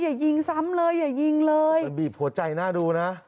อย่ายิงซ้ำเลยอย่ายิงเลยมันบีบหัวใจน่าดูนะ